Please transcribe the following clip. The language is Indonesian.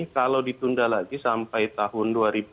kalau ditunda lagi sampai tahun